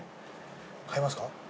買いますか？